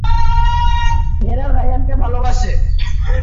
আসলে, ল্যাটিন ছিল তার লেখার ভাষাগুলোর মধ্যে একটা।